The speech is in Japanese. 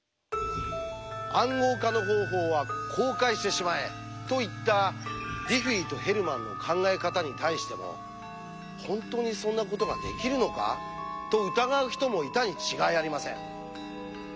「暗号化の方法」は公開してしまえと言ったディフィーとヘルマンの考え方に対しても本当にそんなことができるのか？と疑う人もいたに違いありません。